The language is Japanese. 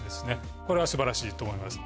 これは素晴らしいと思います。